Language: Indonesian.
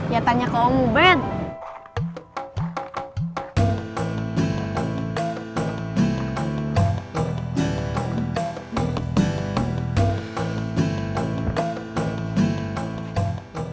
ya tanya ke omobet